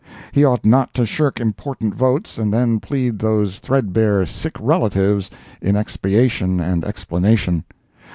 He ought not to shirk important votes and then plead those threadbare "sick relatives" in expiation and explanation.